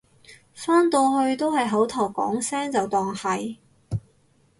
返到去都係口頭講聲就當係